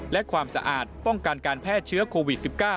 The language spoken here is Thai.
และความสะอาดป้องกันการแพร่เชื้อโควิด๑๙